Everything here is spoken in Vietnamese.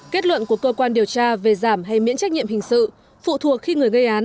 kết luận của cơ quan điều tra về giảm hay miễn trách nhiệm hình sự phụ thuộc khi người gây án